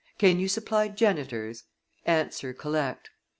Can you supply janitors? Answer, collect.